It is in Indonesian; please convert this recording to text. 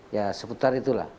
ya seputar itulah